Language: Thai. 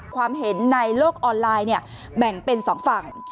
ความเห็นในโลกออนไลน์แบ่งเป็นสองฝั่ง